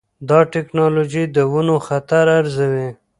دا ټکنالوجي د ونو خطر ارزوي.